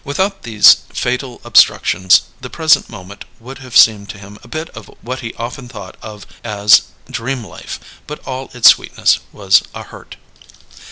Without these fatal obstructions, the present moment would have been to him a bit of what he often thought of as "dream life"; but all its sweetness was a hurt.